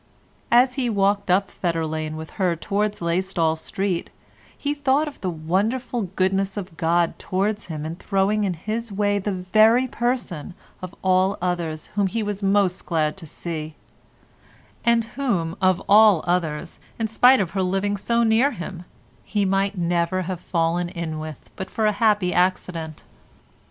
As he walked up Fetter Lane with her towards Laystall Street, he thought of the wonderful goodness of God towards him in throwing in his way the very person of all others whom he was most glad to see, and whom, of all others, in spite of her living so near him, he might have never fallen in with but for a happy accident.